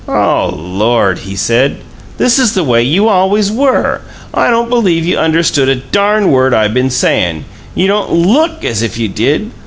"Oh, Lord!" he said. "This is the way you always were. I don't believe you understood a darn word I been sayin'! You don't LOOK as if you did.